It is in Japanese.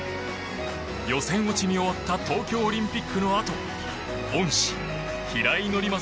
予選落ちに終わった東京オリンピックのあと恩師・平井伯昌